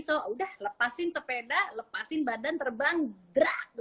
so udah lepasin sepeda lepasin badan terbang gerak